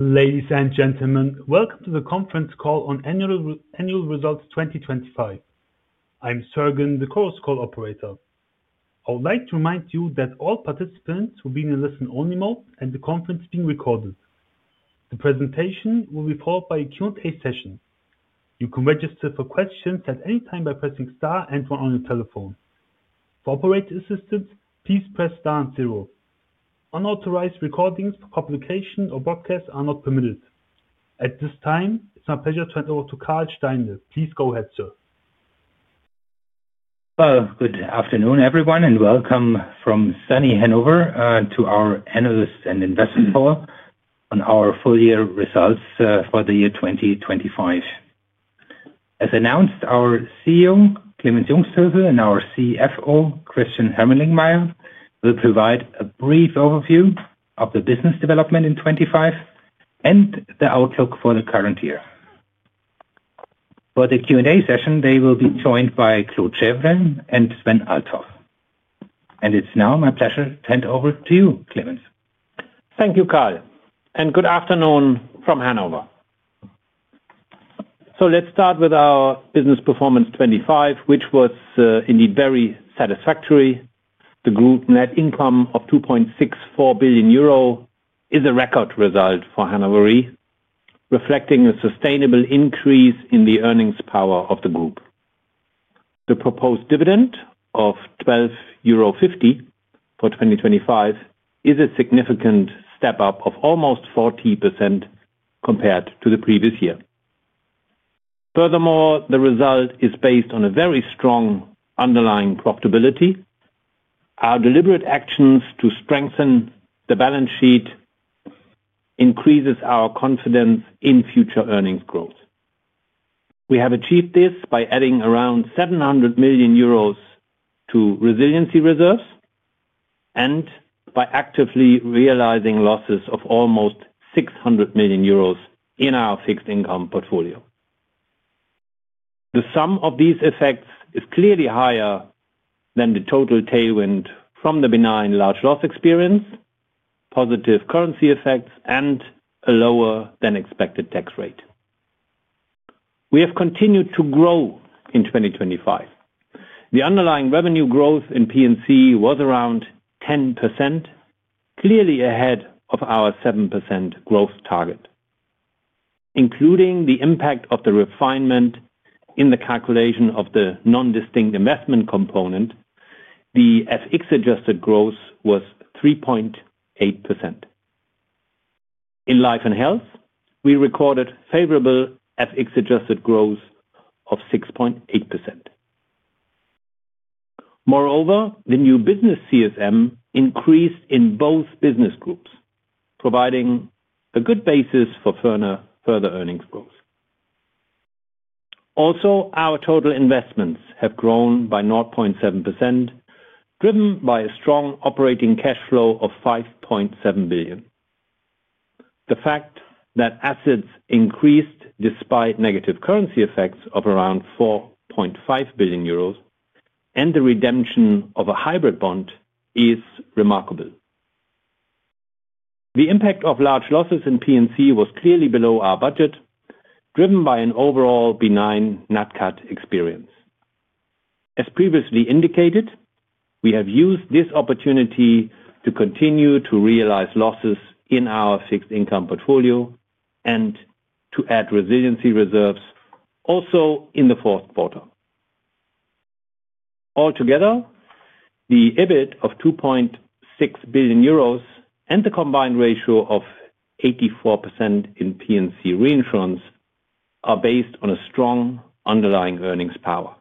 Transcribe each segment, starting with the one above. Ladies and gentlemen, welcome to the conference call on annual results 2025. I'm Sergen, the conference call operator. I would like to remind you that all participants will be in a listen-only mode and the conference is being recorded. The presentation will be followed by a Q&A session. You can register for questions at any time by pressing star and one on your telephone. For operator assistance, please press star and zero. Unauthorized recordings for publication or broadcast are not permitted. At this time, it's my pleasure to hand over to Karl Steinle. Please go ahead, sir. Well, good afternoon, everyone, and welcome from sunny Hannover to our analyst and investor call on our full year results for the year 2025. As announced, our CEO, Clemens Jungsthöfel, and our CFO, Christian Hermelingmeier, will provide a brief overview of the business development in 2025 and the outlook for the current year. For the Q&A session, they will be joined by Claude Chèvre and Sven Althoff. It's now my pleasure to hand over to you, Clemens. Thank you, Karl, and good afternoon from Hannover. Let's start with our business performance 2025, which was indeed very satisfactory. The group net income of 2.64 billion euro is a record result for Hannover Re, reflecting a sustainable increase in the earnings power of the group. The proposed dividend of 12.50 euro for 2025 is a significant step-up of almost 40% compared to the previous year. Furthermore, the result is based on a very strong underlying profitability. Our deliberate actions to strengthen the balance sheet increases our confidence in future earnings growth. We have achieved this by adding around 700 million euros to resiliency reserves and by actively realizing losses of almost 600 million euros in our fixed income portfolio. The sum of these effects is clearly higher than the total tailwind from the benign large loss experience, positive currency effects, and a lower than expected tax rate. We have continued to grow in 2025. The underlying revenue growth in P&C was around 10%, clearly ahead of our 7% growth target. Including the impact of the refinement in the calculation of the non-distinct investment component, the FX Adjusted Growth was 3.8%. In Life & Health, we recorded favorable FX Adjusted Growth of 6.8%. Moreover, the new business CSM increased in both business groups, providing a good basis for further earnings growth. Also, our total investments have grown by 0.7%, driven by a strong operating cash flow of 5.7 billion. The fact that assets increased despite negative currency effects of around 4.5 billion euros and the redemption of a hybrid bond is remarkable. The impact of large losses in P&C was clearly below our budget, driven by an overall benign NatCat experience. As previously indicated, we have used this opportunity to continue to realize losses in our fixed income portfolio and to add resiliency reserves also in the fourth quarter. Altogether, the EBIT of 2.6 billion euros and the combined ratio of 84% in P&C reinsurance are based on a strong underlying earnings power.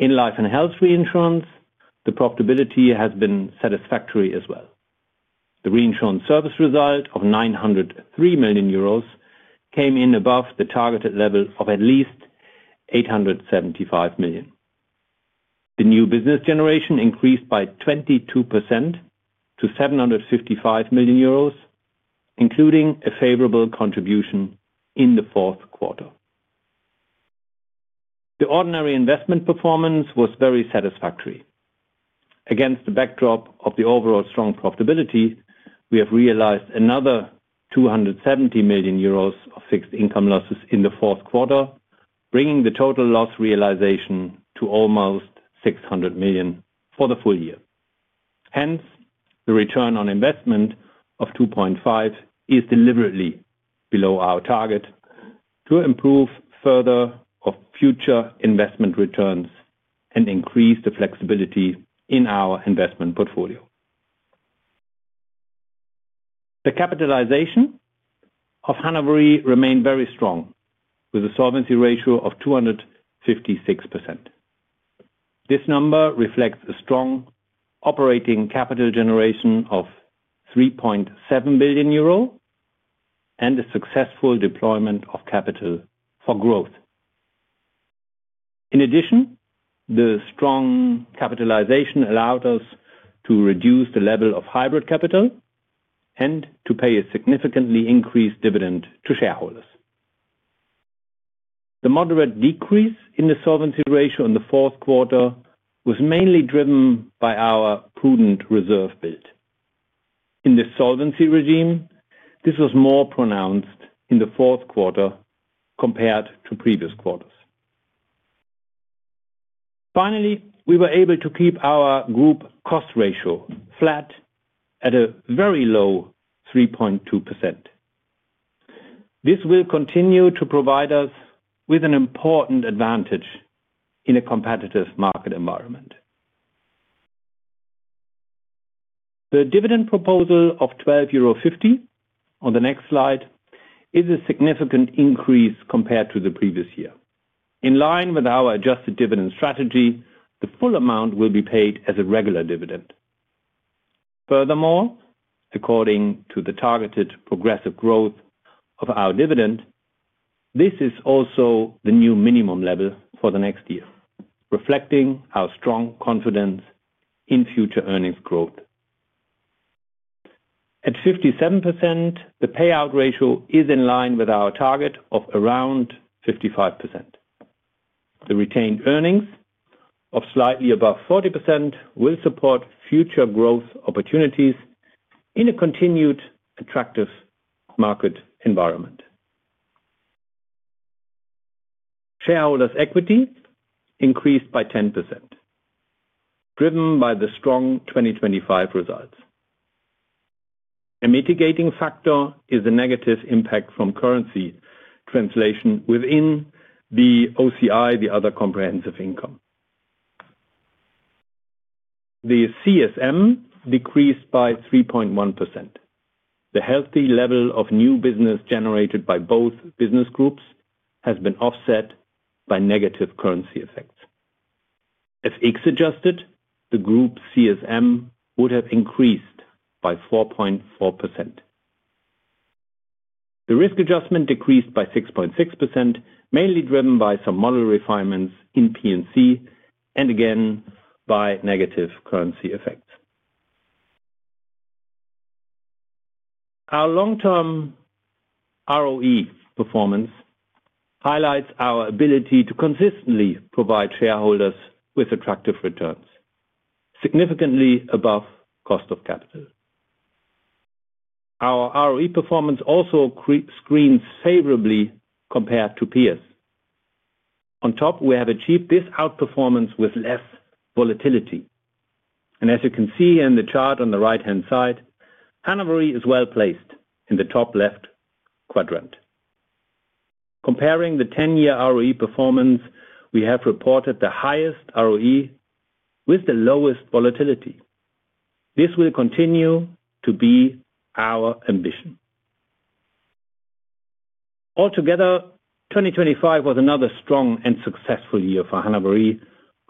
In Life & Health reinsurance, the profitability has been satisfactory as well. The reinsurance service result of 903 million euros came in above the targeted level of at least 875 million. The new business generation increased by 22% to 755 million euros, including a favorable contribution in the fourth quarter. The ordinary investment performance was very satisfactory. Against the backdrop of the overall strong profitability, we have realized another 270 million euros of fixed income losses in the fourth quarter, bringing the total loss realization to almost 600 million for the full year. Hence, the return on investment of 2.5% is deliberately below our target to improve future investment returns and increase the flexibility in our investment portfolio. The capitalization of Hannover Re remained very strong, with a solvency ratio of 256%. This number reflects a strong operating capital generation of 3.7 billion euro and a successful deployment of capital for growth. In addition, the strong capitalization allowed us to reduce the level of hybrid capital and to pay a significantly increased dividend to shareholders. The moderate decrease in the solvency ratio in the fourth quarter was mainly driven by our prudent reserve build. In the solvency regime, this was more pronounced in the fourth quarter compared to previous quarters. Finally, we were able to keep our group cost ratio flat at a very low 3.2%. This will continue to provide us with an important advantage in a competitive market environment. The dividend proposal of 12.50 euro on the next slide is a significant increase compared to the previous year. In line with our Adjusted Dividend Strategy, the full amount will be paid as a regular dividend. Furthermore, according to the targeted progressive growth of our dividend, this is also the new minimum level for the next year, reflecting our strong confidence in future earnings growth. At 57%, the payout ratio is in line with our target of around 55%. The retained earnings of slightly above 40% will support future growth opportunities in a continued attractive market environment. Shareholders' equity increased by 10%, driven by the strong 2025 results. A mitigating factor is the negative impact from currency translation within the OCI, the other comprehensive income. The CSM decreased by 3.1%. The healthy level of new business generated by both business groups has been offset by negative currency effects. If FX Adjusted, the group CSM would have increased by 4.4%. The risk adjustment decreased by 6.6%, mainly driven by some model refinements in P&C and again by negative currency effects. Our long-term ROE performance highlights our ability to consistently provide shareholders with attractive returns, significantly above cost of capital. Our ROE performance also screens favorably compared to peers. On top, we have achieved this outperformance with less volatility. As you can see in the chart on the right-hand side, Hannover is well placed in the top left quadrant. Comparing the 10-year ROE performance, we have reported the highest ROE with the lowest volatility. This will continue to be our ambition. Altogether, 2025 was another strong and successful year for Hannover Re,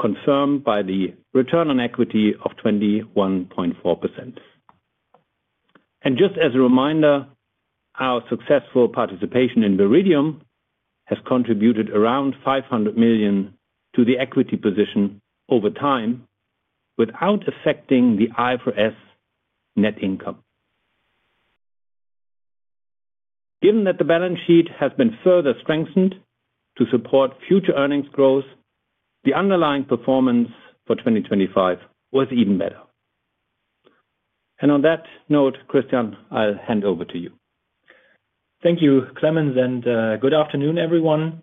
confirmed by the return on equity of 21.4%. Just as a reminder, our successful participation in Viridium has contributed around 500 million to the equity position over time without affecting the IFRS net income. Given that the balance sheet has been further strengthened to support future earnings growth, the underlying performance for 2025 was even better. On that note, Christian, I'll hand over to you. Thank you, Clemens, and good afternoon, everyone.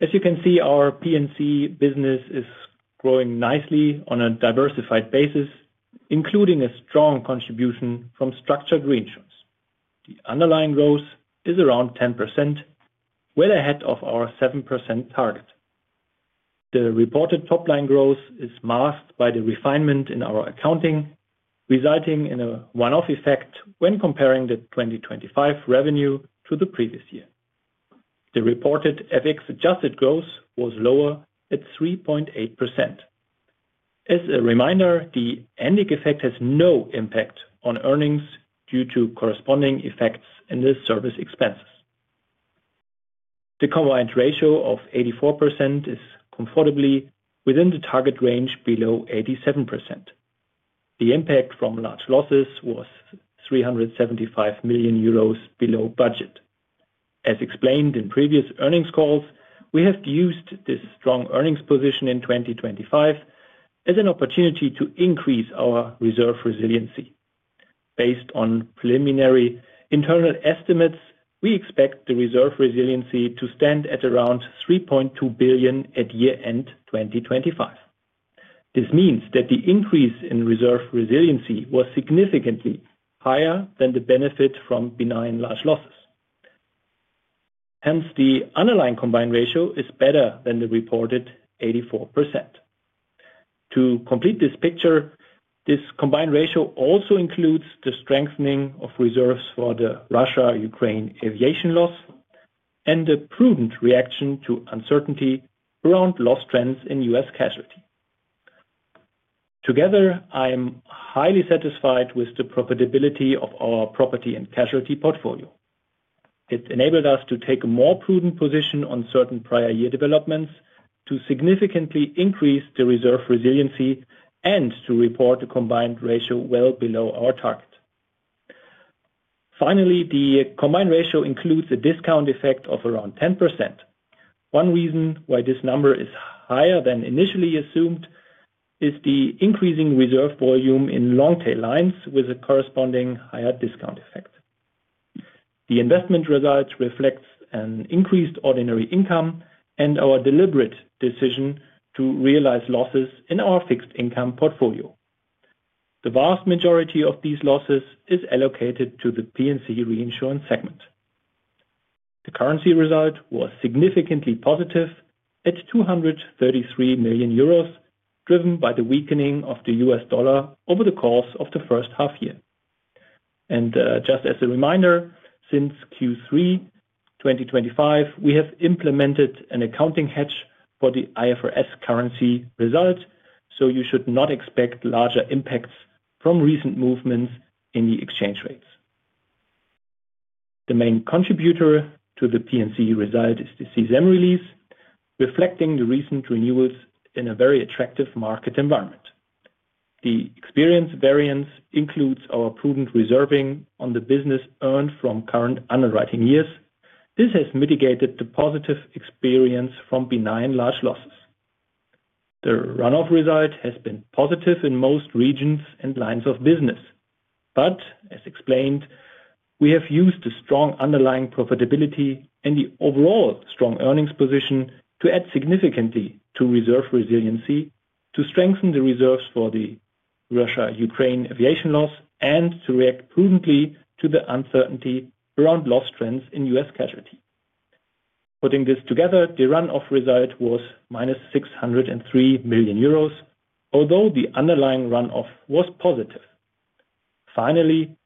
As you can see, our P&C business is growing nicely on a diversified basis, including a strong contribution from structured reinsurance. The underlying growth is around 10%, well ahead of our 7% target. The reported top-line growth is masked by the refinement in our accounting, resulting in a one-off effect when comparing the 2025 revenue to the previous year. The reported FX Adjusted Growth was lower at 3.8%. As a reminder, the one-off effect has no impact on earnings due to corresponding effects in the service expenses. The combined ratio of 84% is comfortably within the target range below 87%. The impact from large losses was 375 million euros below budget. As explained in previous earnings calls, we have used this strong earnings position in 2025 as an opportunity to increase our reserve resiliency. Based on preliminary internal estimates, we expect the reserve resiliency to stand at around 3.2 billion at year-end 2025. This means that the increase in reserve resiliency was significantly higher than the benefit from benign large losses. Hence, the underlying combined ratio is better than the reported 84%. To complete this picture, this combined ratio also includes the strengthening of reserves for the Russia-Ukraine aviation loss and a prudent reaction to uncertainty around loss trends in U.S. casualty. Together, I am highly satisfied with the profitability of our property and casualty portfolio. It enabled us to take a more prudent position on certain prior year developments, to significantly increase the reserve resiliency and to report a combined ratio well below our target. Finally, the combined ratio includes a discount effect of around 10%. One reason why this number is higher than initially assumed is the increasing reserve volume in long tail lines with a corresponding higher discount effect. The investment results reflects an increased ordinary income and our deliberate decision to realize losses in our fixed income portfolio. The vast majority of these losses is allocated to the P&C reinsurance segment. The currency result was significantly positive at 233 million euros, driven by the weakening of the US dollar over the course of the first half year. Just as a reminder, since Q3 2025, we have implemented an accounting hedge for the IFRS currency result, so you should not expect larger impacts from recent movements in the exchange rates. The main contributor to the P&C result is the CSM release, reflecting the recent renewals in a very attractive market environment. The experience variance includes our prudent reserving on the business earned from current underwriting years. This has mitigated the positive experience from benign large losses. The run-off result has been positive in most regions and lines of business. As explained, we have used the strong underlying profitability and the overall strong earnings position to add significantly to reserve resiliency, to strengthen the reserves for the Russia-Ukraine aviation loss, and to react prudently to the uncertainty around loss trends in U.S. casualty. Putting this together, the run-off result was -603 million euros, although the underlying run-off was positive. Finally,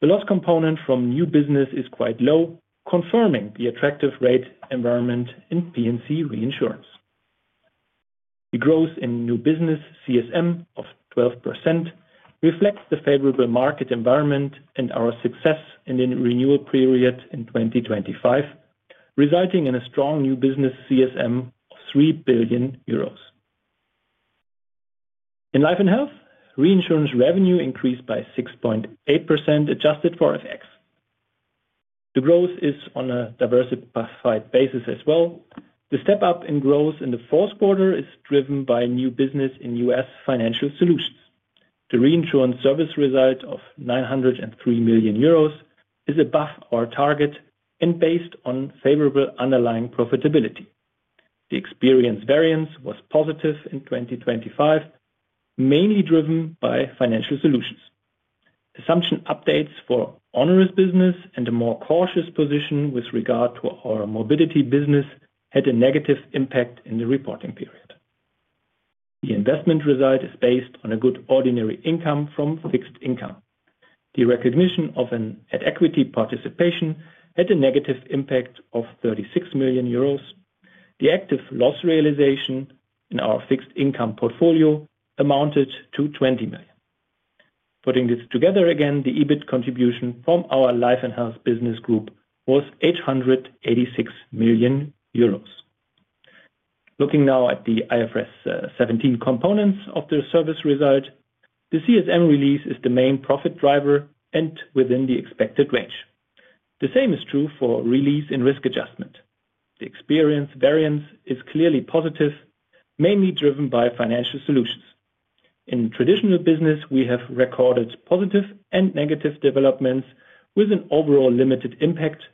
the loss component from new business is quite low, confirming the attractive rate environment in P&C reinsurance. The growth in new business CSM of 12% reflects the favorable market environment and our success in the renewal period in 2025, resulting in a strong new business CSM of 3 billion euros. In Life & Health, reinsurance revenue increased by 6.8% Adjusted for FX. The growth is on a diversified basis as well. The step-up in growth in the fourth quarter is driven by new business in U.S. Financial Solutions. The reinsurance service result of 903 million euros is above our target and based on favorable underlying profitability. The experience variance was positive in 2025, mainly driven by Financial Solutions. Assumption updates for onerous business and a more cautious position with regard to our morbidity business had a negative impact in the reporting period. The investment result is based on a good ordinary income from fixed income. The recognition of an at-equity participation had a negative impact of 36 million euros. The active loss realization in our fixed income portfolio amounted to 20 million. Putting this together again, the EBIT contribution from our Life & Health business group was 886 million euros. Looking now at the IFRS 17 components of the service result, the CSM release is the main profit driver and within the expected range. The same is true for release and risk adjustment. The experience variance is clearly positive, mainly driven by Financial Solutions. In traditional business, we have recorded positive and negative developments with an overall limited impact,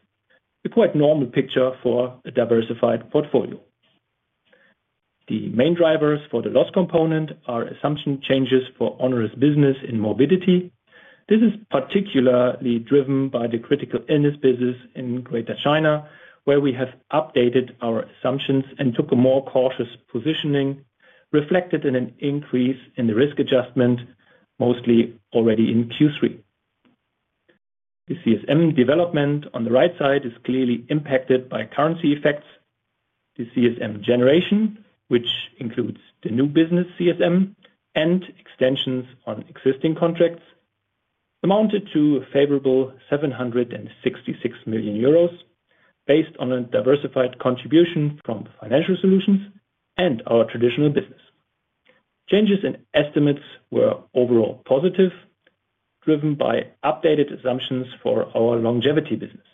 a quite normal picture for a diversified portfolio. The main drivers for the loss component are assumption changes for onerous business in morbidity. This is particularly driven by the critical illness business in Greater China, where we have updated our assumptions and took a more cautious positioning, reflected in an increase in the risk adjustment, mostly already in Q3. The CSM development on the right side is clearly impacted by currency effects. The CSM generation, which includes the new business CSM and extensions on existing contracts, amounted to a favorable 766 million euros based on a diversified contribution from Financial Solutions and our traditional business. Changes in estimates were overall positive, driven by updated assumptions for our longevity business.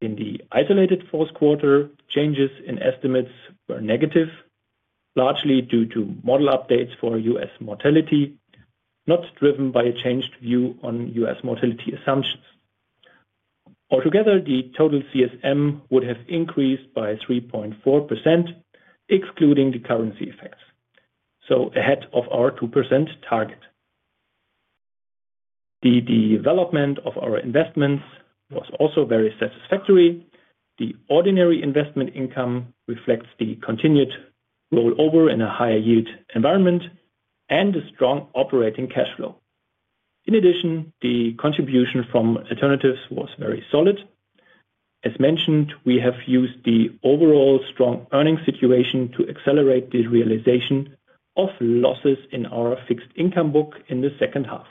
In the isolated fourth quarter, changes in estimates were negative, largely due to model updates for U.S. mortality, not driven by a changed view on U.S. mortality assumptions. Altogether, the total CSM would have increased by 3.4%, excluding the currency effects, so ahead of our 2% target. The development of our investments was also very satisfactory. The ordinary investment income reflects the continued rollover in a higher yield environment and a strong operating cash flow. In addition, the contribution from alternatives was very solid. As mentioned, we have used the overall strong earnings situation to accelerate the realization of losses in our fixed income book in the second half.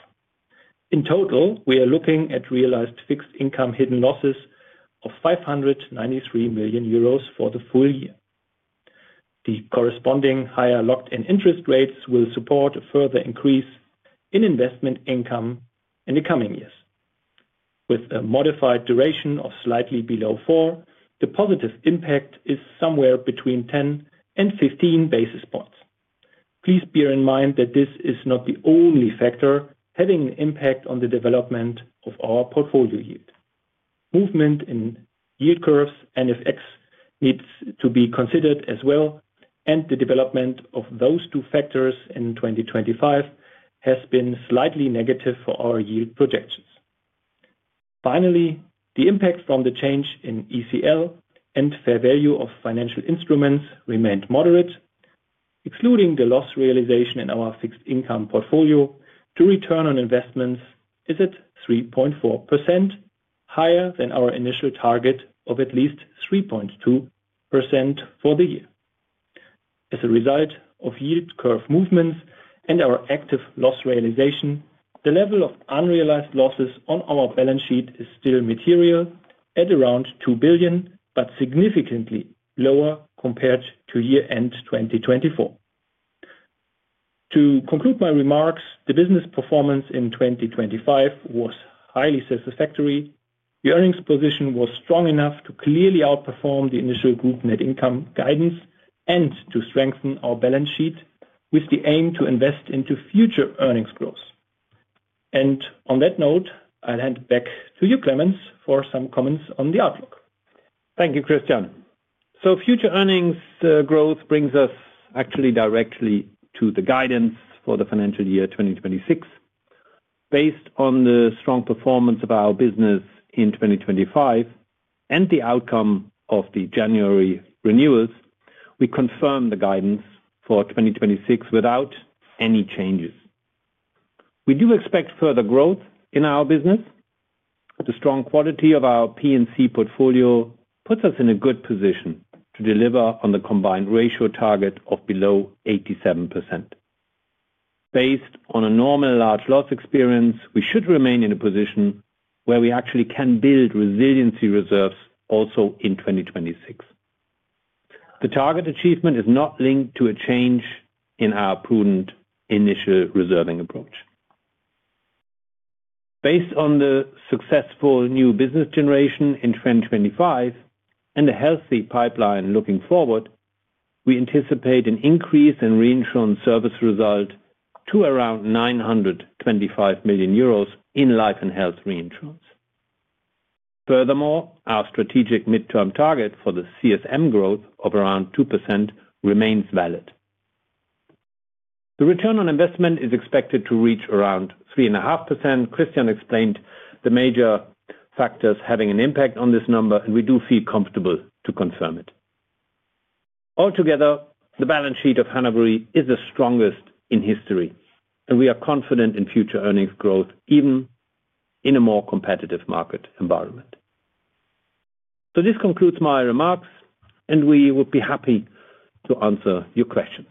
In total, we are looking at realized fixed income hidden losses of 593 million euros for the full year. The corresponding higher locked-in interest rates will support a further increase in investment income in the coming years. With a modified duration of slightly below four, the positive impact is somewhere between 10 and 15 basis points. Please bear in mind that this is not the only factor having an impact on the development of our portfolio yield. Movement in yield curves and effects needs to be considered as well, and the development of those two factors in 2025 has been slightly negative for our yield projections. Finally, the impact from the change in ECL and fair value of financial instruments remained moderate. Excluding the loss realization in our fixed income portfolio, the return on investments is at 3.4%, higher than our initial target of at least 3.2% for the year. As a result of yield curve movements and our active loss realization, the level of unrealized losses on our balance sheet is still material at around 2 billion, but significantly lower compared to year-end 2024. To conclude my remarks, the business performance in 2025 was highly satisfactory. The earnings position was strong enough to clearly outperform the initial group net income guidance and to strengthen our balance sheet with the aim to invest into future earnings growth. On that note, I'll hand it back to you, Clemens, for some comments on the outlook. Thank you, Christian. Future earnings growth brings us actually directly to the guidance for the financial year 2026. Based on the strong performance of our business in 2025 and the outcome of the January renewals, we confirm the guidance for 2026 without any changes. We do expect further growth in our business. The strong quality of our P&C portfolio puts us in a good position to deliver on the combined ratio target of below 87%. Based on a normal large loss experience, we should remain in a position where we actually can build resiliency reserves also in 2026. The target achievement is not linked to a change in our prudent initial reserving approach. Based on the successful new business generation in 2025 and a healthy pipeline looking forward, we anticipate an increase in reinsurance service result to around 925 million euros in Life & Health reinsurance. Furthermore, our strategic midterm target for the CSM growth of around 2% remains valid. The return on investment is expected to reach around 3.5%. Christian explained the major factors having an impact on this number, and we do feel comfortable to confirm it. Altogether, the balance sheet of Hannover Re is the strongest in history, and we are confident in future earnings growth, even in a more competitive market environment. This concludes my remarks, and we would be happy to answer your questions.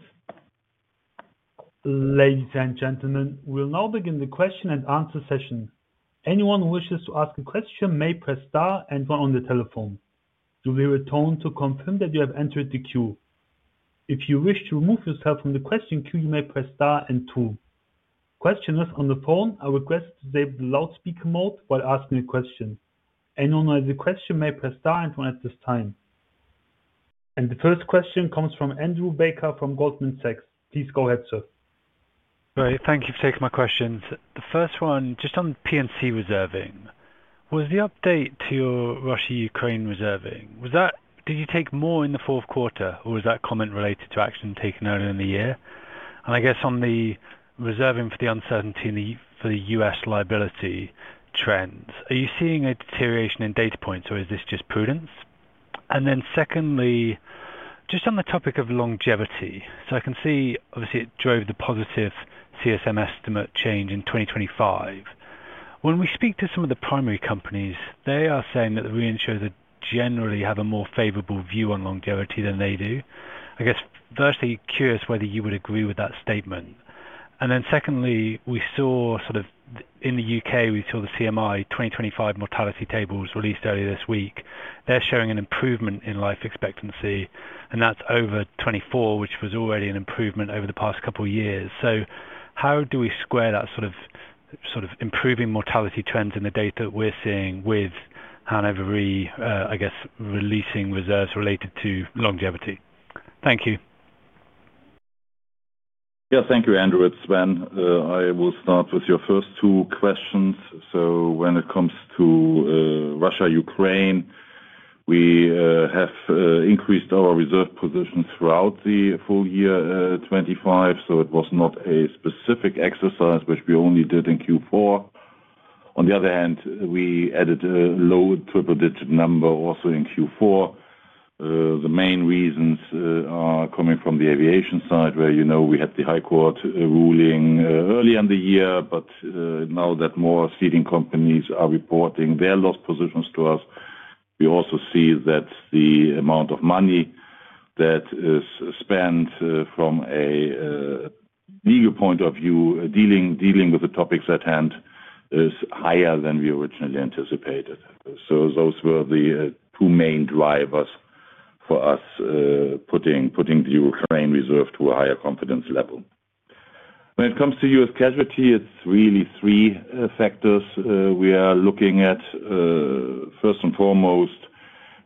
Ladies and gentlemen, we'll now begin the question and answer session. Anyone who wishes to ask a question may press star and one on the telephone. You'll hear a tone to confirm that you have entered the queue. If you wish to remove yourself from the question queue, you may press star and two. Questioners on the phone are requested to disable the loudspeaker mode while asking a question. Anyone with a question may press star and one at this time. The first question comes from Andrew Baker from Goldman Sachs. Please go ahead, sir. Great. Thank you for taking my questions. The first one, just on P&C reserving. Was the update to your Russia-Ukraine reserving, did you take more in the fourth quarter, or was that comment related to action taken earlier in the year? I guess on the reserving for the uncertainty for the U.S. liability trends, are you seeing a deterioration in data points, or is this just prudence? Secondly, just on the topic of longevity. I can see, obviously, it drove the positive CSM estimate change in 2025. When we speak to some of the primary companies, they are saying that the reinsurers generally have a more favorable view on longevity than they do. I guess, firstly, curious whether you would agree with that statement. We saw sort of in the U.K. the CMI 2025 mortality tables released earlier this week. They're showing an improvement in life expectancy, and that's over 2024, which was already an improvement over the past couple of years. How do we square that sort of improving mortality trends in the data we're seeing with Hannover Re releasing reserves related to longevity? Thank you. Yeah. Thank you, Andrew. It's Sven. I will start with your first two questions. When it comes to Russia, Ukraine, we have increased our reserve position throughout the full year 2025, so it was not a specific exercise which we only did in Q4. On the other hand, we added a low triple-digit number also in Q4. The main reasons are coming from the aviation side, where, you know, we had the High Court ruling early in the year. Now that more ceding companies are reporting their loss positions to us, we also see that the amount of money that is spent from a.. The point of view dealing with the topics at hand is higher than we originally anticipated. Those were the two main drivers for us, putting the Ukraine reserve to a higher confidence level. When it comes to U.S. casualty, it's really three factors we are looking at. First and foremost,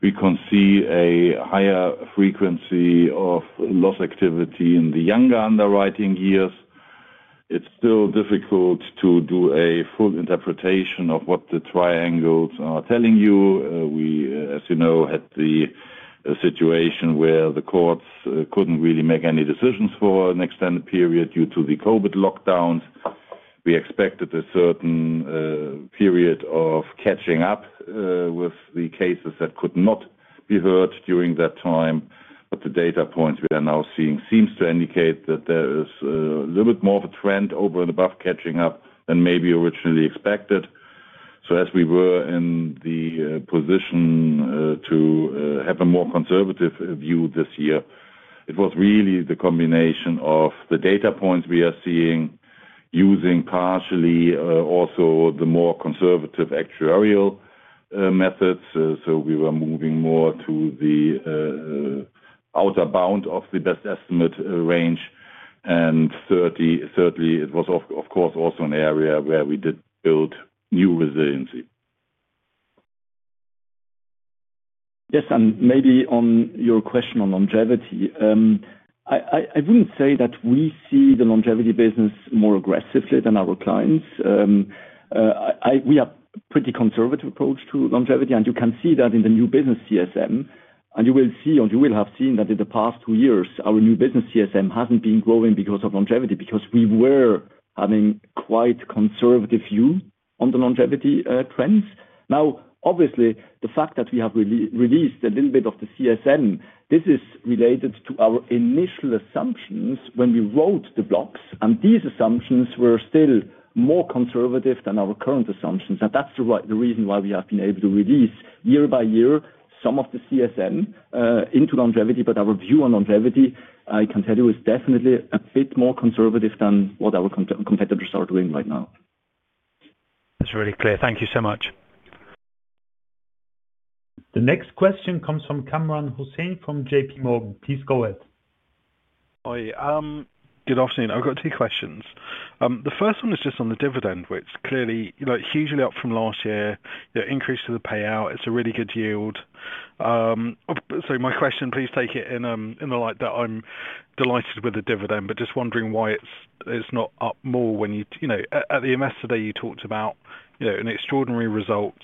we can see a higher frequency of loss activity in the younger underwriting years. It's still difficult to do a full interpretation of what the triangles are telling you. We, as you know, had the situation where the courts couldn't really make any decisions for an extended period due to the COVID lockdowns. We expected a certain period of catching up with the cases that could not be heard during that time. The data points we are now seeing seems to indicate that there is a little bit more of a trend over and above catching up than maybe originally expected. As we were in the position to have a more conservative view this year, it was really the combination of the data points we are seeing using partially also the more conservative actuarial methods. We were moving more to the outer bound of the best estimate range. Thirdly, it was of course also an area where we did build new resiliency. Yes, maybe on your question on longevity, I wouldn't say that we see the longevity business more aggressively than our clients. We are pretty conservative approach to longevity, and you can see that in the new business CSM. You will see, or you will have seen that in the past two years, our new business CSM hasn't been growing because of longevity, because we were having quite conservative view on the longevity trends. Now, obviously, the fact that we have released a little bit of the CSM, this is related to our initial assumptions when we wrote the blocks, and these assumptions were still more conservative than our current assumptions. That's the reason why we have been able to release year by year some of the CSM into longevity. Our view on longevity, I can tell you, is definitely a bit more conservative than what our competitors are doing right now. That's really clear. Thank you so much. The next question comes from Kamran Hossain from J.P. Morgan. Please go ahead. Hi. Good afternoon. I've got two questions. The first one is just on the dividend, which clearly, hugely up from last year, the increase to the payout, it's a really good yield. So my question, please take it in the light that I'm delighted with the dividend, but just wondering why it's not up more when you know, at the MS today, you talked about, you know, an extraordinary result,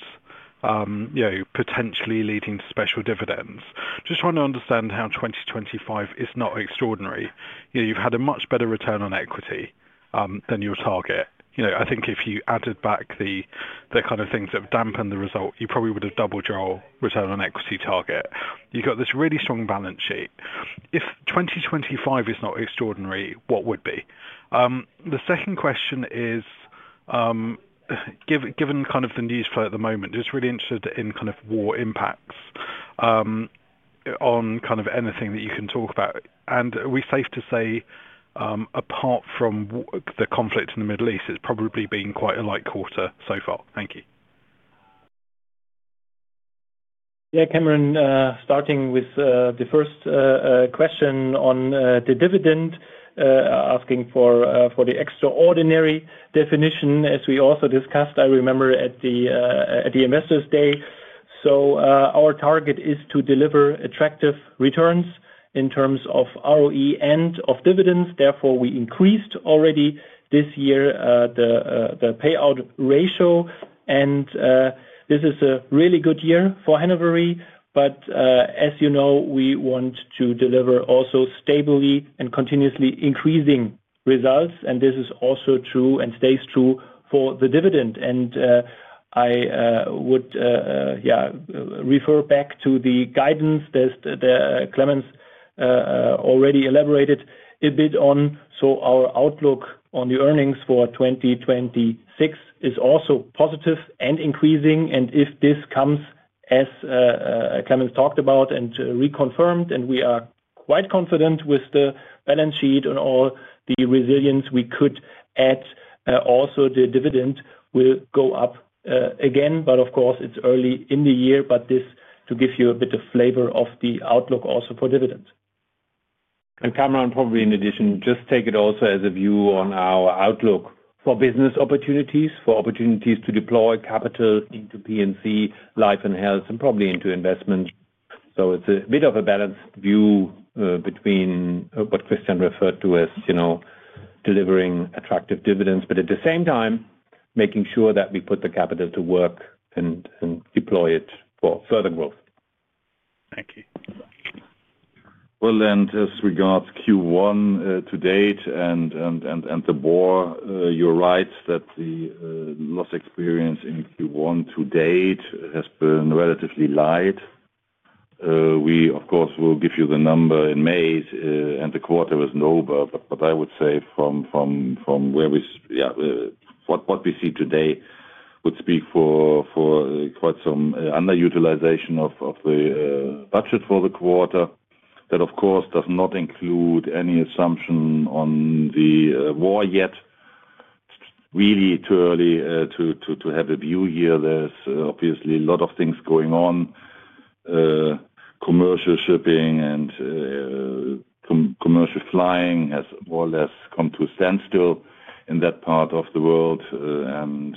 you know, potentially leading to special dividends. Just trying to understand how 2025 is not extraordinary. You know, you've had a much better return on equity than your target. You know, I think if you added back the kind of things that dampened the result, you probably would have double the return on equity target. You got this really strong balance sheet. If 2025 is not extraordinary, what would be? The second question is, given kind of the news flow at the moment, just really interested in kind of war impacts on kind of anything that you can talk about. Are we safe to say, apart from the conflict in the Middle East, it's probably been quite a light quarter so far. Thank you. Yeah. Kamran, starting with the first question on the dividend, asking for the extraordinary definition, as we also discussed, I remember at the Investors Day. Our target is to deliver attractive returns in terms of ROE and of dividends. Therefore, we increased already this year the payout ratio. This is a really good year for Hannover Re. As you know, we want to deliver also stably and continuously increasing results. This is also true and stays true for the dividend. I would refer back to the guidance that Clemens already elaborated a bit on. Our outlook on the earnings for 2026 is also positive and increasing. If this comes, as Clemens talked about and reconfirmed, and we are quite confident with the balance sheet and all the resilience we could add, also the dividend will go up, again, but of course, it's early in the year, but this to give you a bit of flavor of the outlook also for dividends. Kamran, probably in addition, just take it also as a view on our outlook for business opportunities, for opportunities to deploy capital into P&C, Life & Health, and probably into investment. It's a bit of a balanced view between what Christian referred to as, you know, delivering attractive dividends, but at the same time, making sure that we put the capital to work and deploy it for further growth. Thank you. Well, as regards Q1 to date and the war, you're right that the loss experience in Q1 to date has been relatively light. We, of course, will give you the number in May, and the quarter is November. What I would say from what we see today would speak for quite some underutilization of the budget for the quarter. That, of course, does not include any assumption on the war yet. It's really too early to have a view here. There's obviously a lot of things going on. Commercial shipping and commercial flying has more or less come to a standstill in that part of the world.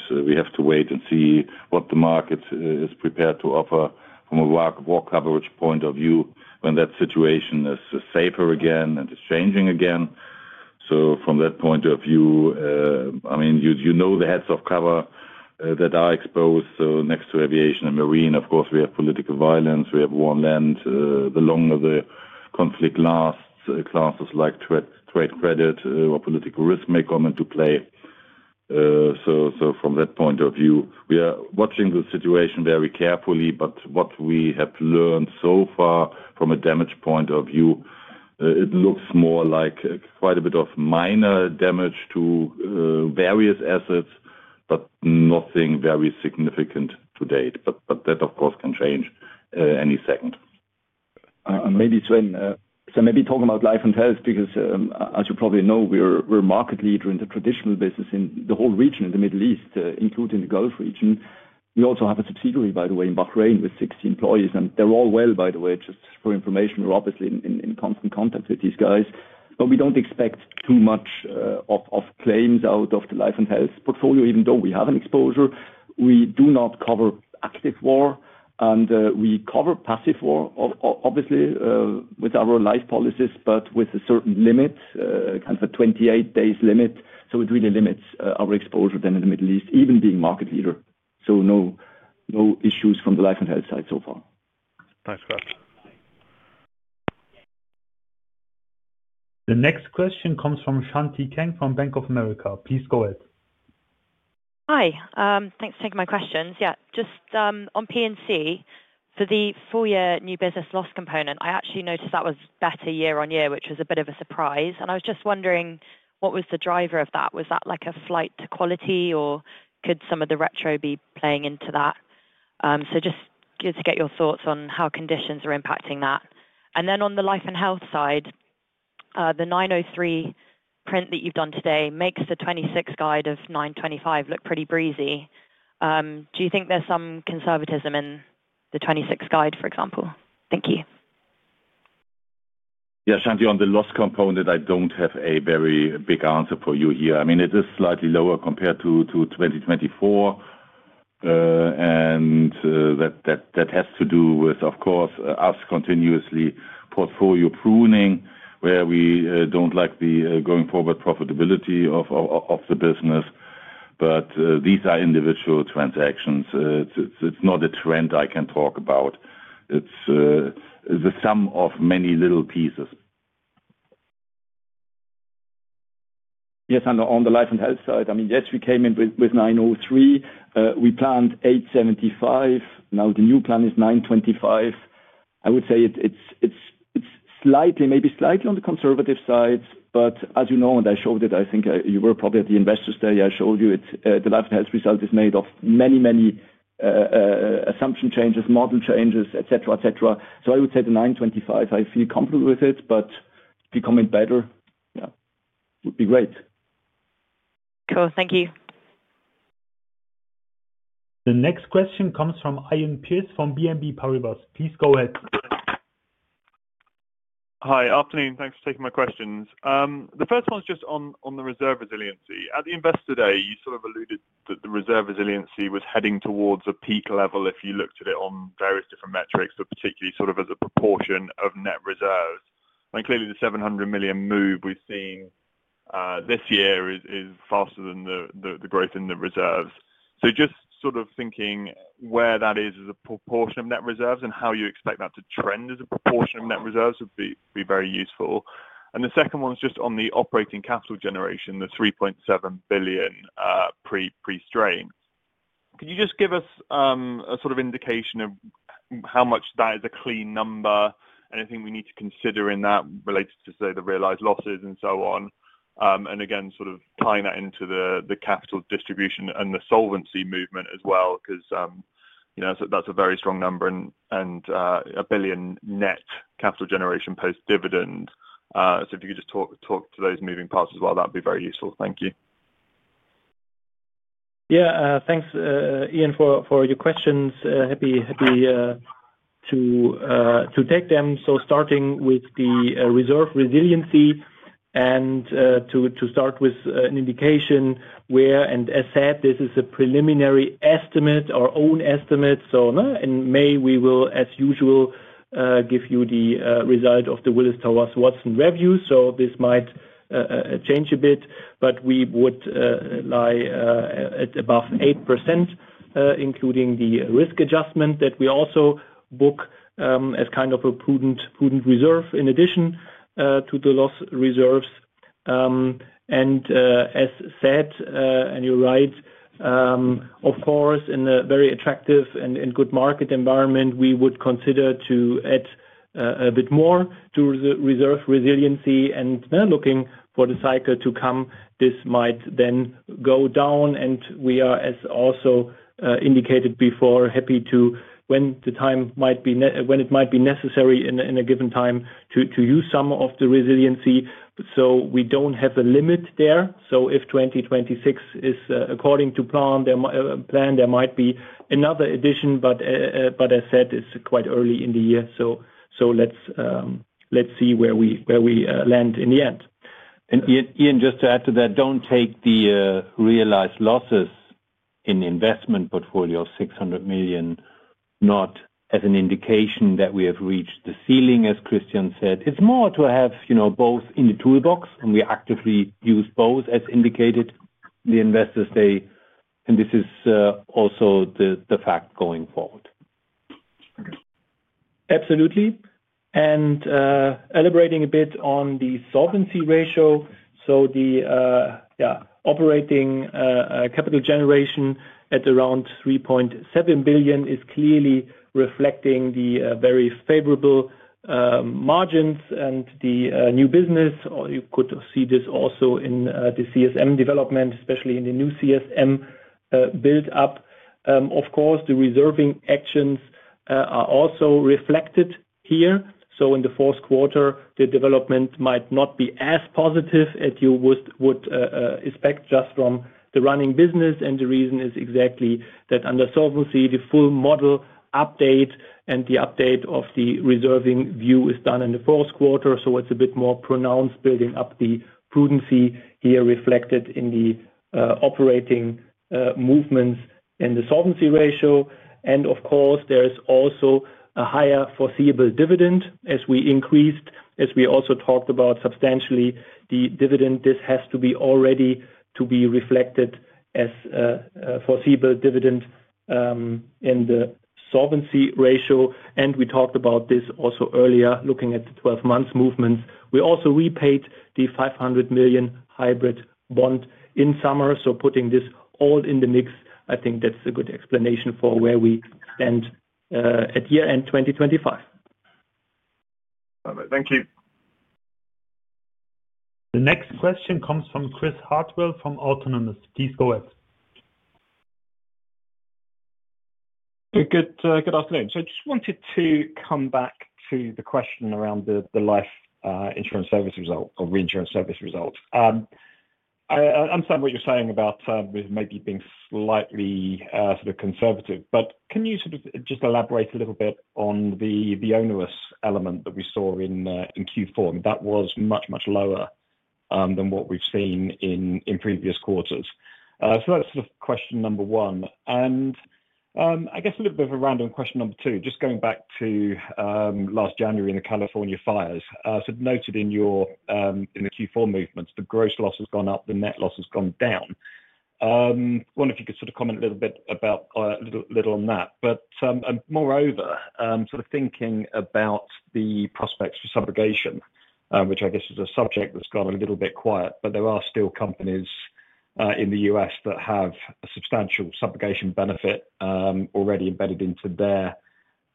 We have to wait and see what the market is prepared to offer from a war coverage point of view when that situation is safer again and is changing again. From that point of view, I mean, you know the heads of cover that are exposed, so next to aviation and marine, of course, we have political violence, we have war on land. The longer the conflict lasts, classes like trade credit or political risk may come into play. From that point of view, we are watching the situation very carefully, but what we have learned so far from a damage point of view, it looks more like quite a bit of minor damage to various assets, but nothing very significant to date. That, of course, can change any second. Maybe Sven, maybe talk about Life & Health, because, as you probably know, we're market leader in the traditional business in the whole region, in the Middle East, including the Gulf region. We also have a subsidiary, by the way, in Bahrain with 60 employees, and they're all well, by the way, just for information. We're obviously in constant contact with these guys. We don't expect too much of claims out of the Life & Health portfolio, even though we have an exposure. We do not cover active war, and we cover passive war obviously, with our life policies, but with a certain limit, kind of a 28 days limit. It really limits our exposure then in the Middle East, even being market leader. No, no issues from the Life & Health side so far. Thanks, Claude. The next question comes from Shanti Kang from Bank of America. Please go ahead. Hi. Thanks for taking my questions. Just on P&C, for the full year new business loss component, I actually noticed that was better year-on-year, which was a bit of a surprise. I was just wondering what was the driver of that. Was that like a shift to quality or could some of the retro be playing into that? Just to get your thoughts on how conditions are impacting that. On the Life & Health side, the 903 print that you've done today makes the 2026 guide of 925 look pretty breezy. Do you think there's some conservatism in the 2026 guide, for example? Thank you. Yeah. Shanti, on the loss component, I don't have a very big answer for you here. I mean, it is slightly lower compared to 2024. That has to do with, of course, us continuously portfolio pruning, where we don't like the going forward profitability of the business. These are individual transactions. It's not a trend I can talk about. It's the sum of many little pieces. Yes. On the Life & Health side, I mean, yes, we came in with 903. We planned 875. Now the new plan is 925. I would say it's slightly, maybe slightly on the conservative side, but as you know, and I showed it, I think you were probably at the Investors Day, I showed you it's the Life & Health result is made of many assumption changes, model changes, et cetera, et cetera. I would say the 925, I feel comfortable with it, but becoming better, yeah, would be great. Cool. Thank you. The next question comes from Iain Pearce from BNP Paribas. Please go ahead. Hi. Afternoon. Thanks for taking my questions. The first one is just on the reserve resiliency. At the Investors Day, you sort of alluded that the reserve resiliency was heading towards a peak level if you looked at it on various different metrics, but particularly sort of as a proportion of net reserves. Clearly the 700 million move we're seeing this year is faster than the growth in the reserves. Just sort of thinking where that is as a proportion of net reserves and how you expect that to trend as a proportion of net reserves would be very useful. The second one is just on the operating capital generation, the 3.7 billion pre-strain. Could you just give us a sort of indication of how much that is a clean number? Anything we need to consider in that related to, say, the realized losses and so on. Again, sort of tying that into the capital distribution and the solvency movement as well, 'cause you know, that's a very strong number and 1 billion net capital generation post-dividend. If you could just talk to those moving parts as well, that'd be very useful. Thank you. Yeah. Thanks, Iain, for your questions. Happy to take them. Starting with the reserve resiliency and to start with an indication where, and as said, this is a preliminary estimate, our own estimate. In May, we will, as usual, give you the result of the Willis Towers Watson review. This might change a bit, but we would lie at above 8%, including the risk adjustment that we also book as kind of a prudent reserve in addition to the loss reserves. As said, and you're right, of course, in a very attractive and good market environment, we would consider to add a bit more to reserve resiliency and then looking for the cycle to come, this might then go down, and we are, as also indicated before, happy to when it might be necessary in a given time to use some of the resiliency. We don't have a limit there. If 2026 is according to plan, there might be another addition, but as said, it's quite early in the year. Let's see where we land in the end. Iain, just to add to that, don't take the realized losses in investment portfolio of 600 million not as an indication that we have reached the ceiling, as Christian said. It's more to have, you know, both in the toolbox, and we actively use both, as indicated, Investors Day. This is also the fact going forward. Okay. Absolutely. Elaborating a bit on the solvency ratio. The operating capital generation at around 3.7 billion is clearly reflecting the very favorable margins and the new business. You could see this also in the CSM development, especially in the new CSM build up. Of course, the reserving actions are also reflected here. In the fourth quarter, the development might not be as positive as you would expect just from the running business. The reason is exactly that under solvency, the full model update and the update of the reserving view is done in the fourth quarter. It's a bit more pronounced building up the prudency here reflected in the operating movements in the solvency ratio. Of course, there is also a higher foreseeable dividend as we increased, as we also talked about substantially the dividend. This has to be already to be reflected as foreseeable dividend in the solvency ratio. We talked about this also earlier, looking at the 12 months movements. We also repaid the 500 million hybrid bond in summer. Putting this all in the mix, I think that's a good explanation for where we stand at year-end 2025. All right. Thank you. The next question comes from Chris Hartwell from Autonomous. Please go ahead. Good afternoon. I just wanted to come back to the question around the life insurance service result or reinsurance service results. I understand what you're saying about maybe being slightly sort of conservative, but can you sort of just elaborate a little bit on the onerous element that we saw in Q4? That was much lower than what we've seen in previous quarters. That's sort of question number one. I guess a little bit of a random question number two, just going back to last January in the California fires. Noted in the Q4 movements, the gross loss has gone up, the net loss has gone down. Wonder if you could sort of comment a little bit about little on that. Moreover, sort of thinking about the prospects for subrogation, which I guess is a subject that's gone a little bit quiet. There are still companies in the U.S. that have a substantial subrogation benefit already embedded into their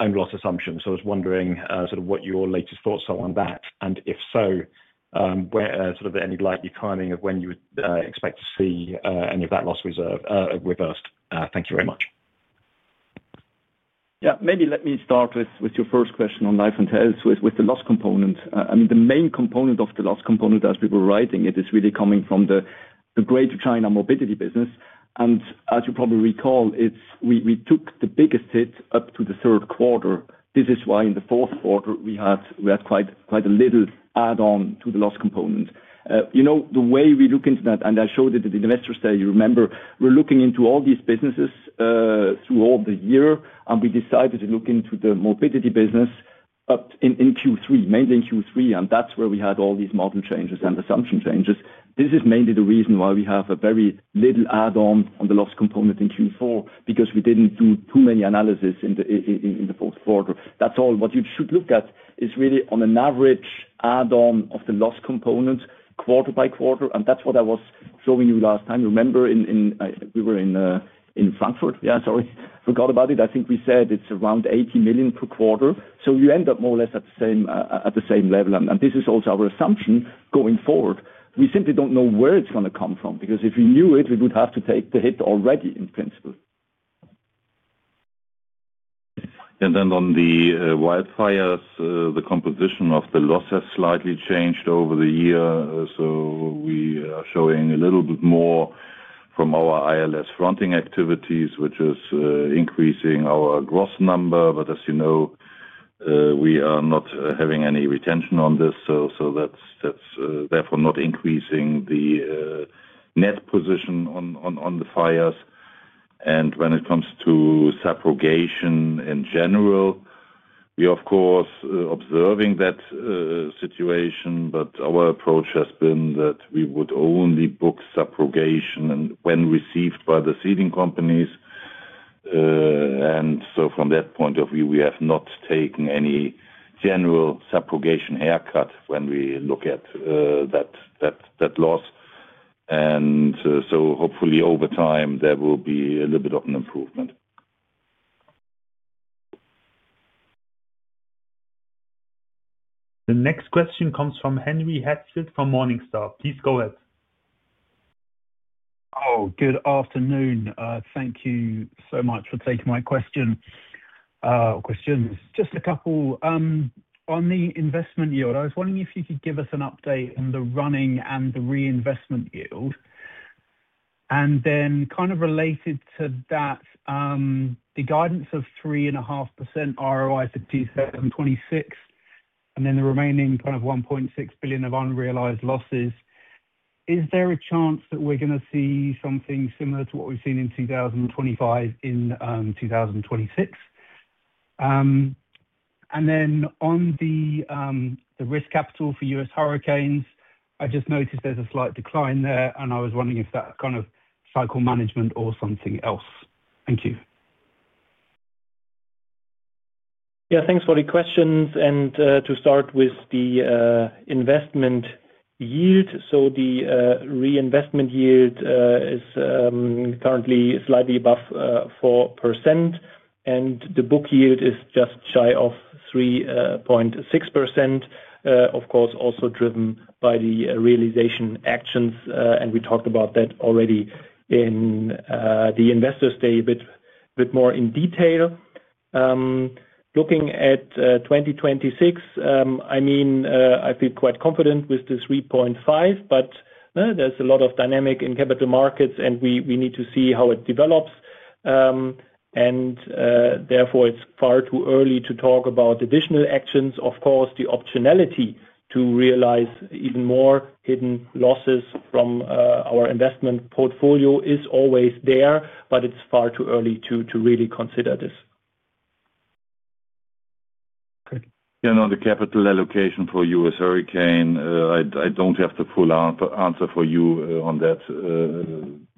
own loss assumptions. I was wondering sort of what your latest thoughts are on that, and if so, where sort of any likely timing of when you would expect to see any of that loss reserve reversed. Thank you very much. Yeah. Maybe let me start with your first question on Life & Health, with the loss component. I mean, the main component of the loss component as we were writing it is really coming from the Greater China morbidity business. As you probably recall, we took the biggest hit up to the third quarter. This is why in the fourth quarter, we had quite a little add on to the loss component. You know, the way we look into that, and I showed it at the Investors Day, you remember, we're looking into all these businesses throughout the year, and we decided to look into the morbidity business up in Q3, mainly in Q3. That's where we had all these model changes and assumption changes. This is mainly the reason why we have a very little add on the loss component in Q4, because we didn't do too many analysis in the fourth quarter. That's all. What you should look at is really on an average add on of the loss component quarter by quarter. That's what I was showing you last time. Remember we were in Frankfurt? Yeah. Sorry, forgot about it. I think we said it's around 80 million per quarter. You end up more or less at the same level. This is also our assumption going forward. We simply don't know where it's gonna come from, because if we knew it, we would have to take the hit already in principle. On the wildfires, the composition of the loss has slightly changed over the year. We are showing a little bit more from our ILS fronting activities, which is increasing our gross number. As you know, we are not having any retention on this, so that's therefore not increasing the net position on the fires. When it comes to subrogation in general, we of course observing that situation, but our approach has been that we would only book subrogation and when received by the ceding companies. From that point of view, we have not taken any general subrogation haircut when we look at that loss. Hopefully over time there will be a little bit of an improvement. The next question comes from Henry Heathfield from Morningstar. Please go ahead. Oh, good afternoon. Thank you so much for taking my question, questions. Just a couple. On the investment yield, I was wondering if you could give us an update on the running and the reinvestment yield. Then kind of related to that, the guidance of 3.5% ROI for 2026, and then the remaining kind of 1.6 billion of unrealized losses. Is there a chance that we're gonna see something similar to what we've seen in 2025, in 2026? Then on the risk capital for U.S. hurricanes, I just noticed there's a slight decline there, and I was wondering if that kind of cycle management or something else. Thank you. Yeah. Thanks for the questions. To start with the investment yield. So the reinvestment yield is currently slightly above 4%, and the book yield is just shy of 3.6%. Of course, also driven by the realization actions. We talked about that already in the Investors Day bit more in detail. Looking at 2026, I mean, I feel quite confident with the 3.5%, but there's a lot of dynamics in capital markets and we need to see how it develops. Therefore, it's far too early to talk about additional actions. Of course, the optionality to realize even more hidden losses from our investment portfolio is always there, but it's far too early to really consider this. Yeah. On the capital allocation for U.S. Hurricane, I don't have the full answer for you on that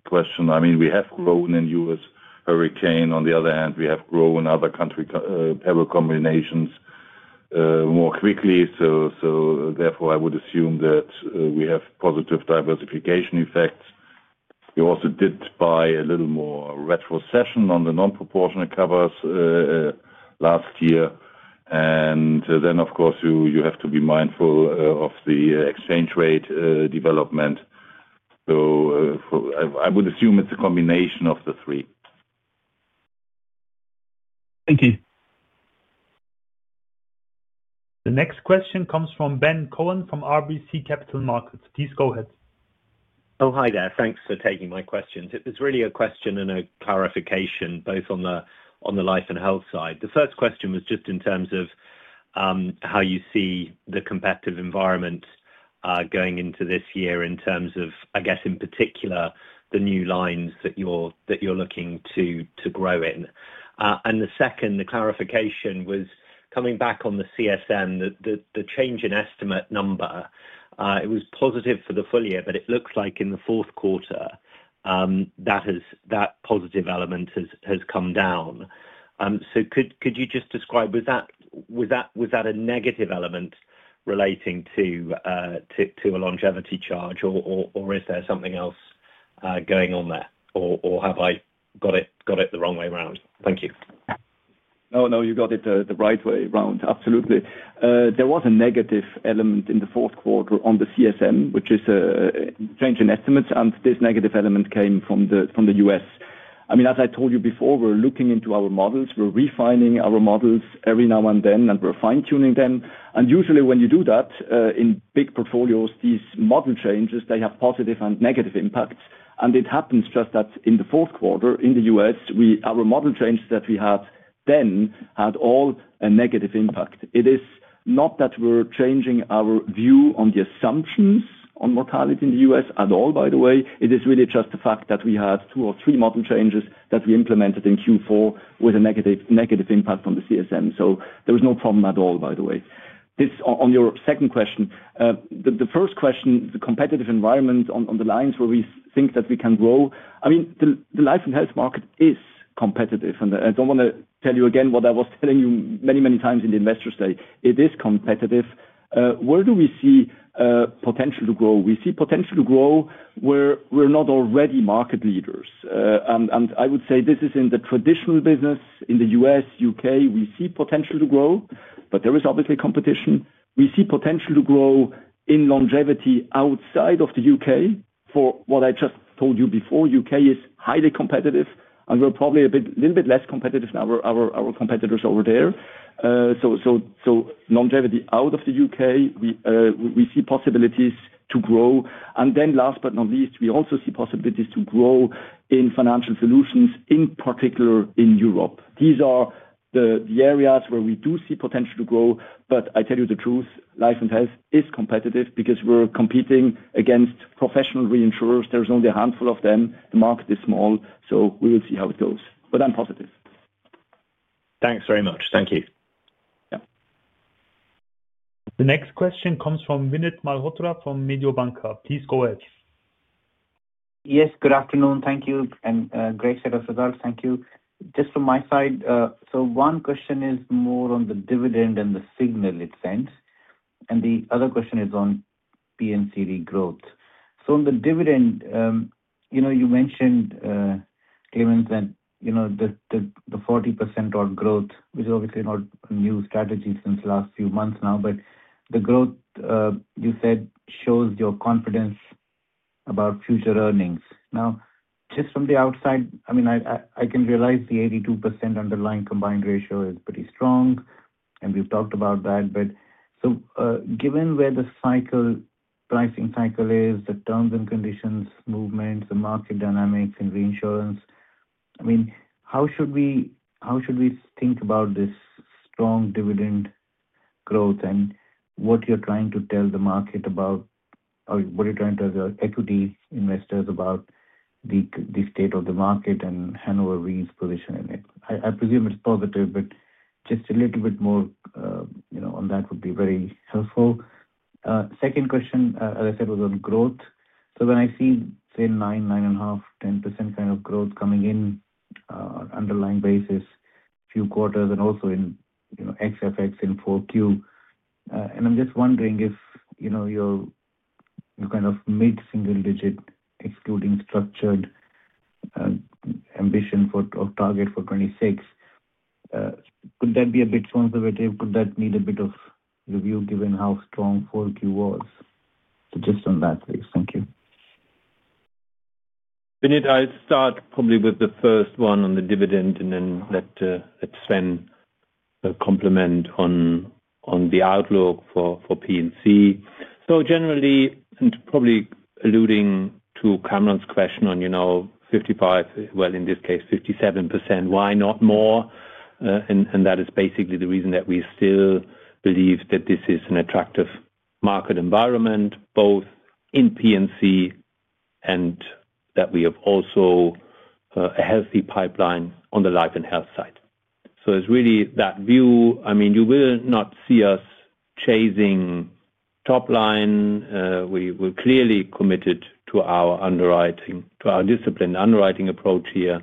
question. I mean, we have grown in U.S. Hurricane. On the other hand, we have grown other country peril combinations more quickly. Therefore, I would assume that we have positive diversification effects. We also did buy a little more retrocession on the non-proportional covers last year. Of course, you have to be mindful of the exchange rate development. I would assume it's a combination of the three. Thank you. The next question comes from Ben Cohen from RBC Capital Markets. Please go ahead. Oh, hi there. Thanks for taking my questions. It was really a question and a clarification both on the Life & Health side. The first question was just in terms of how you see the competitive environment going into this year in terms of, I guess, in particular, the new lines that you're looking to grow in. The second, the clarification was coming back on the CSM, the change in estimate number. It was positive for the full year, but it looks like in the fourth quarter that positive element has come down. So could you just describe, was that a negative element relating to a longevity charge or is there something else going on there? Have I got it the wrong way around? Thank you. No, no, you got it the right way around. Absolutely. There was a negative element in the fourth quarter on the CSM, which is change in estimates, and this negative element came from the U.S. I mean, as I told you before, we're looking into our models. We're refining our models every now and then, and we're fine-tuning them. Usually when you do that, in big portfolios, these model changes, they have positive and negative impacts. It happens just that in the fourth quarter in the U.S, our model changes that we have then had all a negative impact. It is not that we're changing our view on the assumptions on mortality in the U.S. at all, by the way. It is really just the fact that we had two or three model changes that we implemented in Q4 with a negative impact on the CSM. There was no problem at all, by the way. On your second question. The first question, the competitive environment on the lines where we think that we can grow. I mean, the Life & Health market is competitive. I don't wanna tell you again what I was telling you many, many times in the Investors Day. It is competitive. Where do we see potential to grow? We see potential to grow where we're not already market leaders. And I would say this is in the traditional business. In the U.S., U.K., we see potential to grow, but there is obviously competition. We see potential to grow in longevity outside of the U.K. For what I just told you before, U.K Is highly competitive, and we're probably a little bit less competitive than our competitors over there. So longevity out of the U.K, we see possibilities to grow. Then last but not least, we also see possibilities to grow in financial solutions, in particular in Europe. These are the areas where we do see potential to grow. I tell you the truth, Life & Health is competitive because we're competing against professional reinsurers. There's only a handful of them. The market is small, so we will see how it goes. I'm positive. Thanks very much. Thank you. The next question comes from Vinit Malhotra from Mediobanca. Please go ahead. Yes, good afternoon. Thank you. Great set of results. Thank you. Just from my side, one question is more on the dividend and the signal it sends, and the other question is on P&C growth. On the dividend, you know, you mentioned, Clemens, that, you know, the 40% on growth is obviously not a new strategy since last few months now, but the growth, you said shows your confidence about future earnings. Now, just from the outside, I mean, I can realize the 82% underlying combined ratio is pretty strong, and we've talked about that. Given where the cycle, pricing cycle is, the terms and conditions movement, the market dynamics and reinsurance, I mean, how should we think about this strong dividend growth and what you're trying to tell the market about or what you're trying to tell your equity investors about the state of the market and Hannover Re's position in it? I presume it's positive, but just a little bit more, you know, on that would be very helpful. Second question, as I said, was on growth. When I see say 9.5%, 10% kind of growth coming in, underlying basis few quarters and also in, you know, XFX in Q4. I'm just wondering if, you know, your kind of mid-single digit excluding structured ambition for or target for 2026, could that be a bit conservative? Could that need a bit of review given how strong Q4 was? Just on that please. Thank you. Vinit, I'll start probably with the first one on the dividend and then let Sven comment on the outlook for P&C. Generally, and probably alluding to Kamran's question on, you know, 55, well in this case, 57%, why not more? That is basically the reason that we still believe that this is an attractive market environment, both in P&C and that we have also a healthy pipeline on the Life & Health side. It's really that view. I mean, you will not see us chasing top line. We're clearly committed to our underwriting, to our disciplined underwriting approach here.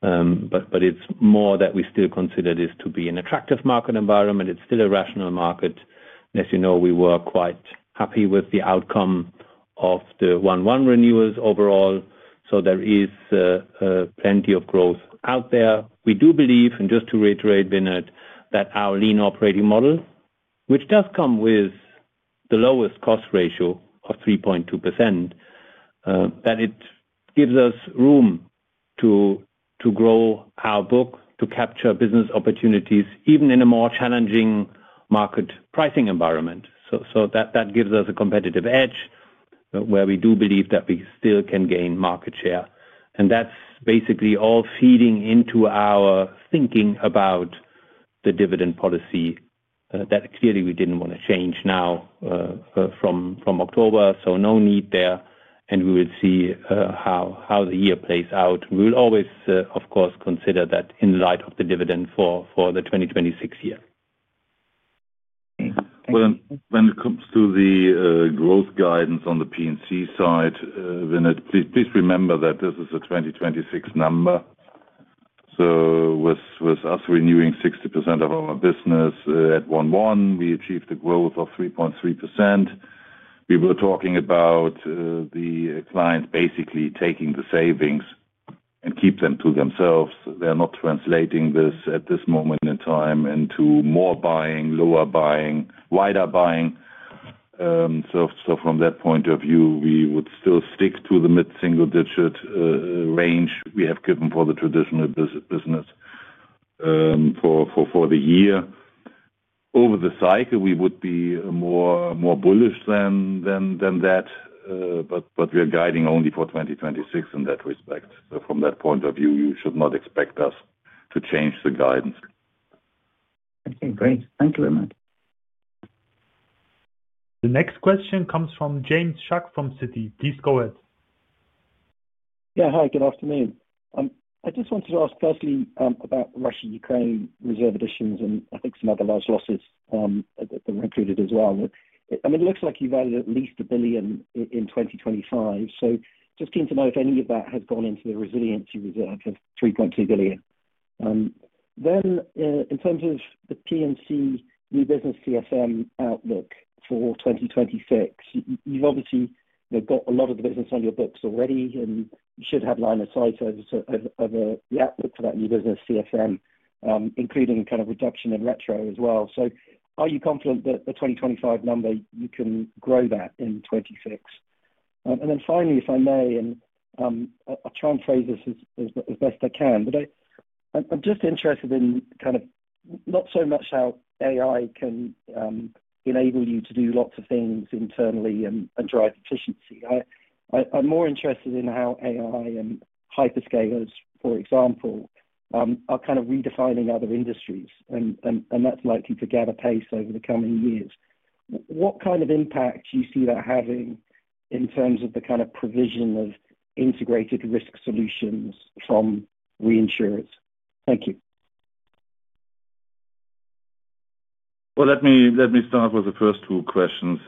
But it's more that we still consider this to be an attractive market environment. It's still a rational market. As you know, we were quite happy with the outcome of the 1/1 renewals overall. There is plenty of growth out there. We do believe, and just to reiterate, Vinit, that our lean operating model, which does come with the lowest cost ratio of 3.2%, that it gives us room to grow our book, to capture business opportunities, even in a more challenging market pricing environment. That gives us a competitive edge where we do believe that we still can gain market share. That's basically all feeding into our thinking about the dividend policy, that clearly we didn't wanna change now, from October, so no need there. We will see how the year plays out. We'll always, of course, consider that in light of the dividend for the 2026 year. Okay. When it comes to the growth guidance on the P&C side, Vinit, please remember that this is a 2026 number. With us renewing 60% of our business at 1/1, we achieved a growth of 3.3%. We were talking about the clients basically taking the savings and keep them to themselves. They are not translating this at this moment in time into more buying, lower buying, wider buying. From that point of view, we would still stick to the mid-single-digit range we have given for the traditional business for the year. Over the cycle, we would be more bullish than that. We are guiding only for 2026 in that respect. From that point of view, you should not expect us to change the guidance. Okay, great. Thank you very much. The next question comes from James Shuck from Citi. Please go ahead. Yeah. Hi, good afternoon. I just wanted to ask firstly, about Russia-Ukraine reserve additions and I think some other large losses, that were included as well. I mean, it looks like you valued at least 1 billion in 2025. Just keen to know if any of that has gone into the resiliency reserve of 3.2 billion. Then, in terms of the P&C new business CSM outlook for 2026, you've obviously, you know, got a lot of the business on your books already, and you should have line of sight of, the outlook for that new business CSM, including kind of reduction in retro as well. Are you confident that the 2025 number, you can grow that in 2026? Then finally, if I may, I'll try and phrase this as best I can, but I'm just interested in kind of not so much how AI can enable you to do lots of things internally and drive efficiency. I'm more interested in how AI and hyperscalers, for example, are kind of redefining other industries and that's likely to gather pace over the coming years. What kind of impact do you see that having in terms of the kind of provision of integrated risk solutions from reinsurers? Thank you. Well, let me start with the first two questions,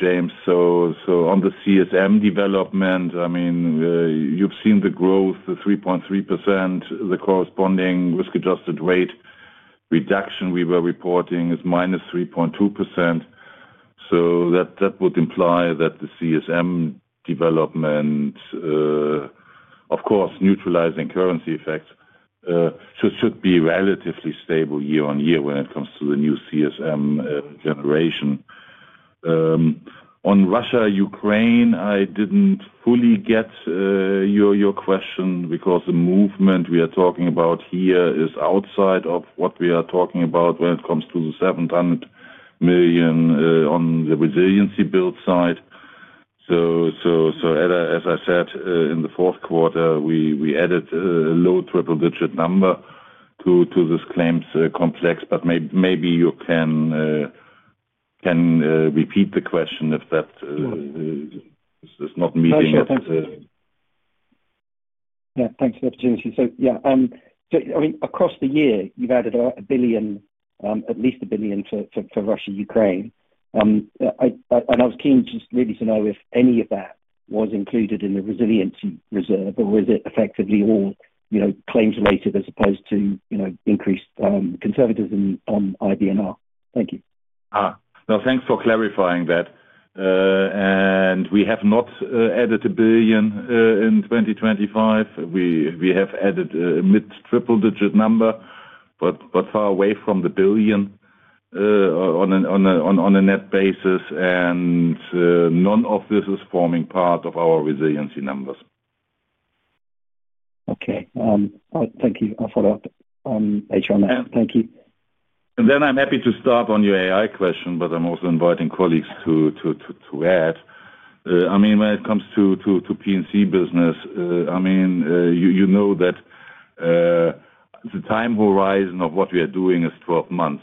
James. On the CSM development, I mean, you've seen the growth, the 3.3%, the corresponding risk-Adjusted Rate reduction we were reporting is -3.2%. That would imply that the CSM development, of course, neutralizing currency effects, should be relatively stable year-on-year when it comes to the new CSM generation. On Russia-Ukraine, I didn't fully get your question because the movement we are talking about here is outside of what we are talking about when it comes to the 700 million on the resiliency build side. As I said, in the fourth quarter, we added a low triple-digit number to this claims complex. Maybe you can repeat the question if that is not meeting. No, sure. Yeah, thanks for the opportunity. Yeah, I mean, across the year, you've added 1 billion, at least 1 billion for Russia, Ukraine. And I was keen just really to know if any of that was included in the resiliency reserve or was it effectively all, you know, claims related as opposed to, you know, increased conservatism on IBNR. Thank you. No, thanks for clarifying that. We have not added 1 billion in 2025. We have added a mid-triple digit number, but far away from the 1 billion, on a net basis. None of this is forming part of our resiliency numbers. Okay. Thank you. I'll follow up later on. Thank you. I'm happy to start on your AI question, but I'm also inviting colleagues to add. I mean, when it comes to P&C business, I mean, you know that the time horizon of what we are doing is 12 months.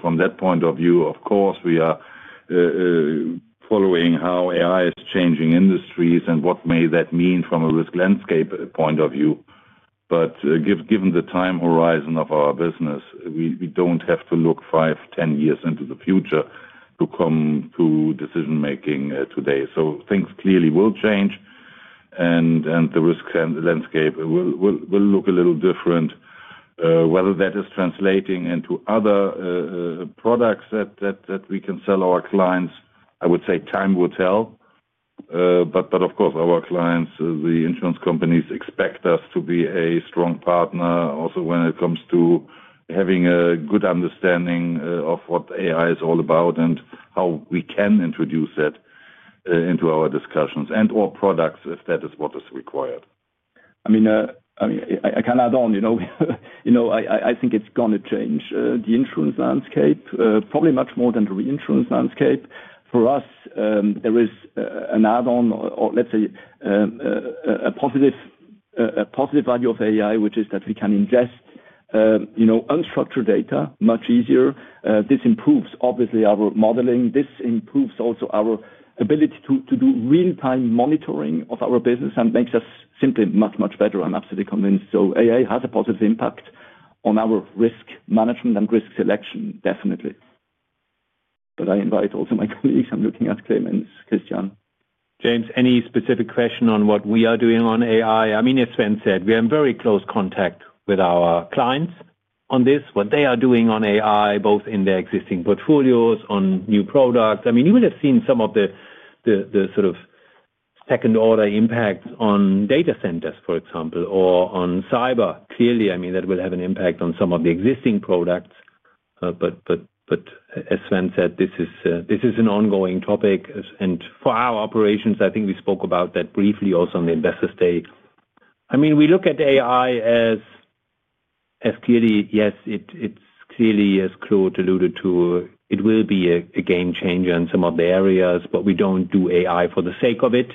From that point of view, of course, we are following how AI is changing industries and what may that mean from a risk landscape point of view. But given the time horizon of our business, we don't have to look five, 10 years into the future to come to decision-making today. Things clearly will change and the risk landscape will look a little different. Whether that is translating into other products that we can sell our clients, I would say time will tell. Of course, our clients, the insurance companies expect us to be a strong partner also when it comes to having a good understanding of what AI is all about and how we can introduce it into our discussions and/or products if that is what is required. I mean, I can add on, you know. You know, I think it's gonna change the insurance landscape probably much more than the reinsurance landscape. For us, there is an add-on or let's say a positive value of AI, which is that we can ingest you know unstructured data much easier. This improves obviously our modeling. This improves also our ability to do real-time monitoring of our business and makes us simply much better. I'm absolutely convinced. AI has a positive impact on our risk management and risk selection, definitely. I invite also my colleagues. I'm looking at Clemens, Christian. James, any specific question on what we are doing on AI? I mean, as Sven said, we are in very close contact with our clients on this, what they are doing on AI, both in their existing portfolios, on new products. I mean, you would have seen some of the sort of second-order impacts on data centers, for example, or on cyber. Clearly, I mean, that will have an impact on some of the existing products. But as Sven said, this is an ongoing topic. For our operations, I think we spoke about that briefly also on the Investors' Day. I mean, we look at AI as clearly, it's clearly, as Claude alluded to, it will be a game changer in some of the areas, but we don't do AI for the sake of it.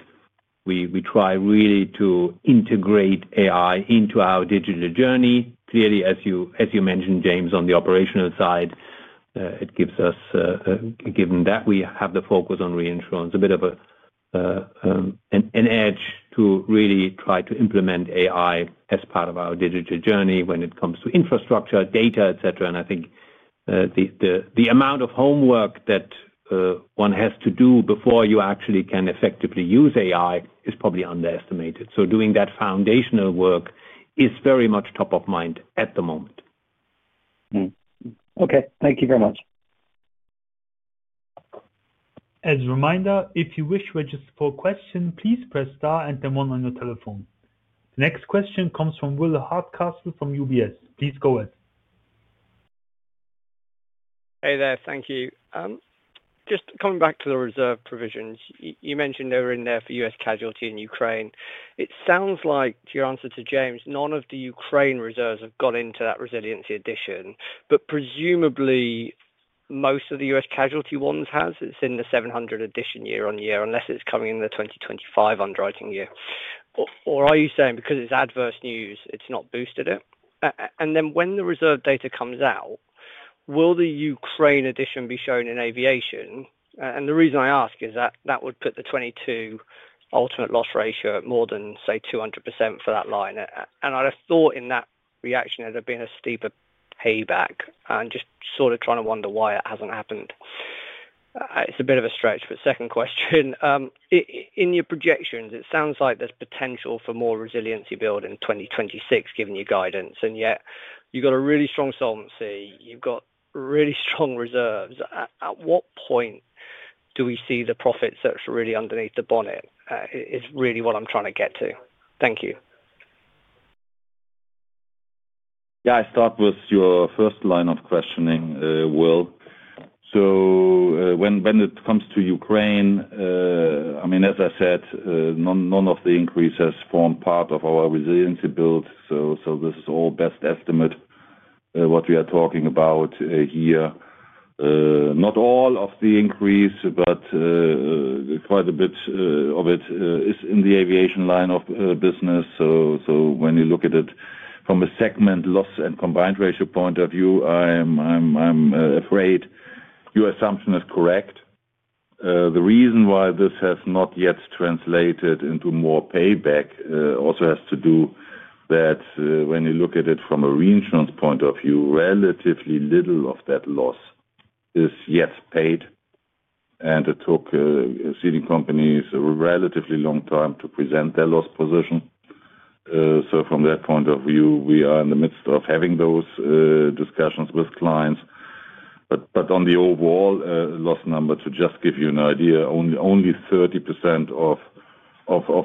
We try really to integrate AI into our digital journey. Clearly, as you mentioned, James, on the operational side, it gives us, given that we have the focus on reinsurance, a bit of an edge to really try to implement AI as part of our digital journey when it comes to infrastructure, data, et cetera. I think, the amount of homework that one has to do before you actually can effectively use AI is probably underestimated. Doing that foundational work is very much top of mind at the moment. Okay. Thank you very much. As a reminder, if you wish to register for a question, please press star and then one on your telephone. Next question comes from Will Hardcastle from UBS. Please go ahead. Hey there. Thank you. Just coming back to the reserve provisions. You mentioned they were in there for U.S casualty in Ukraine. It sounds like your answer to James, none of the Ukraine reserves have gone into that resiliency addition. But presumably, most of the U.S. casualty ones has. It's in the 700 addition year-on-year, unless it's coming in the 2025 underwriting year. Or are you saying because it's adverse news, it's not boosted it? And then when the reserve data comes out. Will the Ukraine addition be shown in aviation? The reason I ask is that would put the 2022 ultimate loss ratio at more than, say, 200% for that line. I'd have thought in that retrocession there'd have been a steeper payback. I'm just sort of trying to wonder why it hasn't happened. It's a bit of a stretch, but second question. In your projections, it sounds like there's potential for more resiliency build in 2026, given your guidance, and yet you've got a really strong solvency, you've got really strong reserves. At what point do we see the profits that's really underneath the bonnet? Is really what I'm trying to get to. Thank you. Yeah, I start with your first line of questioning, Will. When it comes to Ukraine, I mean, as I said, none of the increase has formed part of our resiliency build. This is all best estimate what we are talking about here. Not all of the increase, but quite a bit of it is in the aviation line of business. When you look at it from a segment loss and combined ratio point of view, I'm afraid your assumption is correct. The reason why this has not yet translated into more payback also has to do with that, when you look at it from a reinsurance point of view, relatively little of that loss is yet paid. It took ceding companies a relatively long time to present their loss position. From that point of view, we are in the midst of having those discussions with clients. On the overall loss number, to just give you an idea, only 30% of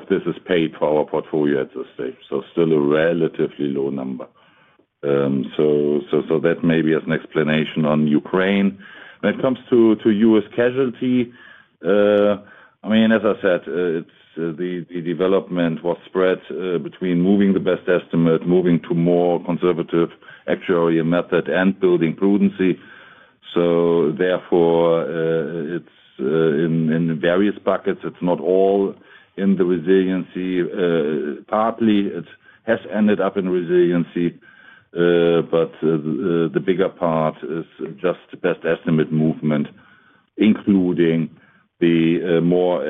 this is paid for our portfolio at this stage. Still a relatively low number. That may be an explanation on Ukraine. When it comes to U.S. casualty, I mean, as I said, the development was spread between moving the best estimate, moving to more conservative actuarial method and building prudence. It's in the various buckets. It's not all in the reserving. Partly it has ended up in resiliency, but the bigger part is just best estimate movement, including the more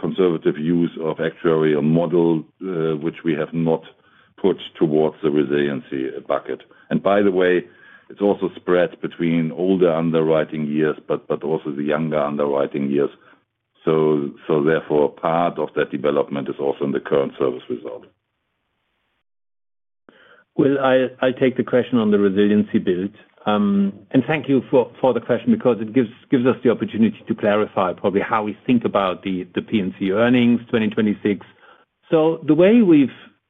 conservative use of actuarial model, which we have not put towards the resiliency bucket. By the way, it's also spread between older underwriting years, but also the younger underwriting years. Therefore, part of that development is also in the current service result. Will, I take the question on the resiliency build. Thank you for the question because it gives us the opportunity to clarify probably how we think about the P&C earnings 2026. The way we've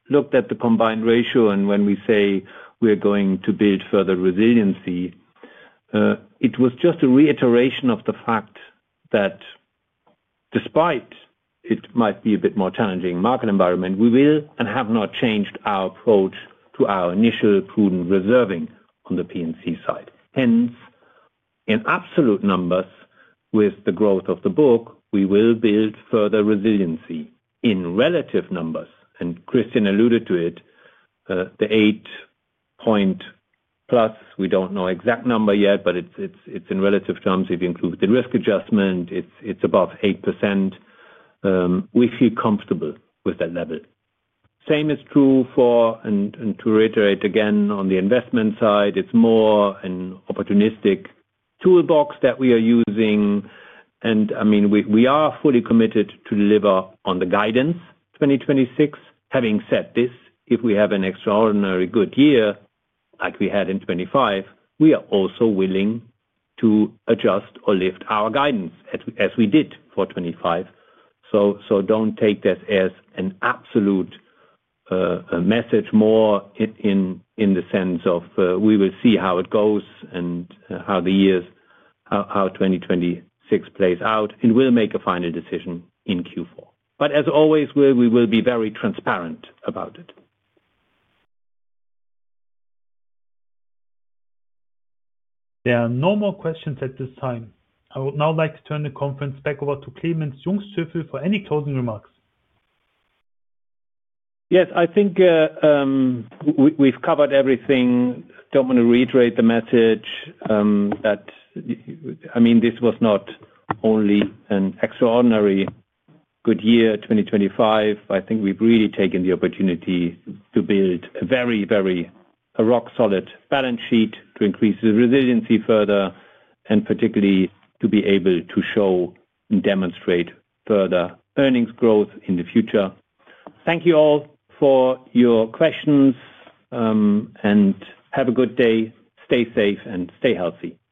looked at the combined ratio and when we say we're going to build further resiliency, it was just a reiteration of the fact that despite it might be a bit more challenging market environment, we will and have not changed our approach to our initial prudent reserving on the P&C side. Hence, in absolute numbers with the growth of the book, we will build further resiliency. In relative numbers, and Christian alluded to it, the eight-point-plus, we don't know exact number yet, but it's in relative terms. If you include the risk adjustment, it's above 8%. We feel comfortable with that level. Same is true for, and to reiterate again on the investment side, it's more an opportunistic toolbox that we are using. I mean, we are fully committed to deliver on the guidance 2026. Having said this, if we have an extraordinary good year like we had in 2025, we are also willing to adjust or lift our guidance as we did for 2025. Don't take that as an absolute message. More in the sense of, we will see how it goes and how 2026 plays out, and we'll make a final decision in Q4. As always, we will be very transparent about it. There are no more questions at this time. I would now like to turn the conference back over to Clemens Jungsthöfel for any closing remarks. Yes. I think we've covered everything. Don't want to reiterate the message, I mean, this was not only an extraordinary good year, 2025. I think we've really taken the opportunity to build a very rock solid balance sheet to increase the resiliency further, and particularly to be able to show and demonstrate further earnings growth in the future. Thank you all for your questions, and have a good day. Stay safe and stay healthy. Bye.